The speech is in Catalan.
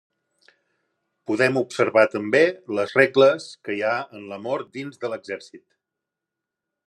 Podem observar també les regles que hi ha en l'amor dins de l'exèrcit.